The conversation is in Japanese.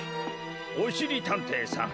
おしりたんていさん